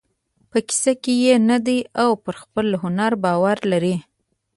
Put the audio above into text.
په کیسه کې یې نه دی او پر خپل هنر باور لري.